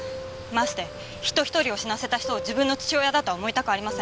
まして人一人を死なせた人を自分の父親だとは思いたくありません。